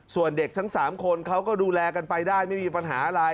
ส่วนเด็กทั้ง๓คนเขาก็ดูแลกันไปได้ไม่มีปัญหาอะไร